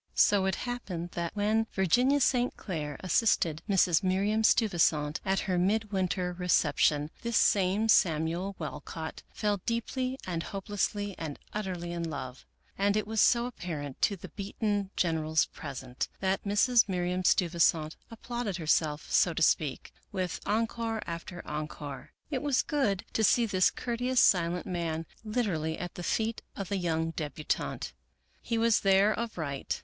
So it happened that, when Virginia St. Clair assisted Mrs. Miriam Steuvisant at her midwinter recep tion, this same Samuel Walcott fell deeply and hopelessly and utterly in love, and it was so apparent to the beaten generals present, that Mrs. Miriam Steuvisant applauded herself, so to speak, with encore after encore. It was gop.d to see this courteous, silent man literally at the feet of the 3 oung debutante. He was there of right.